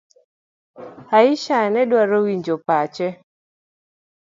Aisha nedwaro winjo pache.